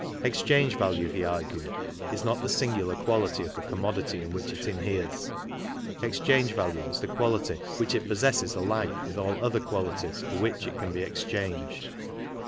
Exchange value, he argued, is not the singular quality of the commodity in which it inheres. Exchange value is the quality which it possesses alike with all other qualities for which it can be exchanged.